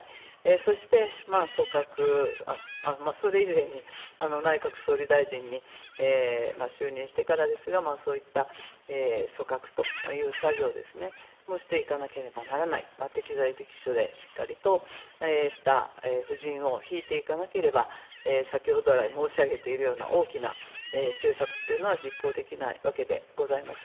そして組閣、それ以前に内閣総理大臣に就任してからですが、それから組閣という作業ですね、もしていかなければならない、適材適所でしっかりとした布陣をひいていかなければ、先ほど来、申し上げているような大きな政策というのは実行できないわけでございます。